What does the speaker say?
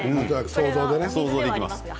想像でいきます。